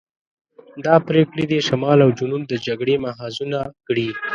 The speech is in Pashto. دا پرېکړې دې شمال او جنوب د جګړې محاذونه کړي.